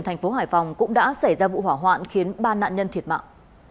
thành phố hải phòng cũng đã xảy ra vụ hỏa hoạn khiến ba nạn nhân thiệt mạng